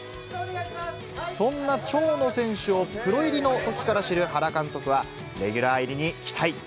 そんな長野選手をプロ入りのときから知る原監督は、レギュラー入りに期待。